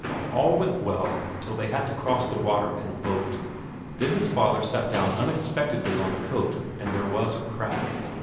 All went well till they had to cross the water in a boat; then his father sat down unexpectedly on the coat, and there was a crack.